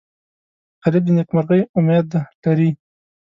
غریب د نیکمرغۍ امید لري